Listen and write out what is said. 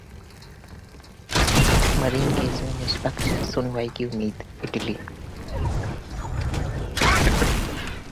marine case में निष्पक्ष सुनवाई की उम्मीद: इटली